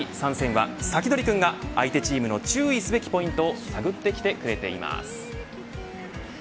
注目の第３戦はサキドリくんが相手チームの注意すべきポイントを探ってきてくれています。